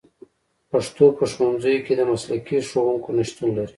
پښتو په ښوونځیو کې د مسلکي ښوونکو نشتون لري